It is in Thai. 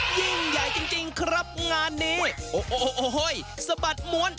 ยิ่งใหญ่จริงครับงานนี้โอ้โหสะบัดม้วน